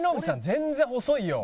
全然細いよ。